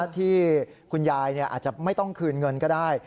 ที่คุณยายอาจจะไม่ต้องคืนเงินก็ได้